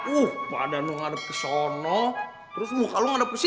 uh badan lo ngadep kesana terus muka lo ngadep kesini